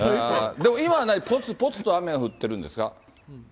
でも今は、ぽつぽつと雨が降ってるんですか。